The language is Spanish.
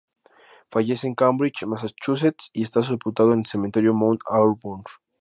Fallece en Cambridge, Massachusetts y está sepultado en el Cementerio Mount Auburn.